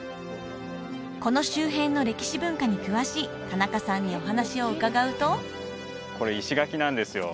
この周辺の歴史文化に詳しい田中さんにお話を伺うと石垣？